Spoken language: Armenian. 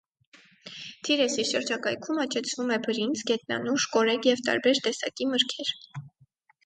Թիեսի շրջակայքում աճեցվում է բրինձ, գետնանուշ, կորեկ և տարբեր տեսակի մրգեր։